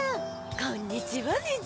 こんにちはニジ。